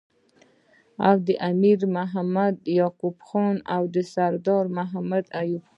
او امیر محمد یعقوب خان او سردار محمد ایوب